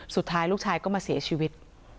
สุดท้ายลูกชายก็มาเสียชีวิต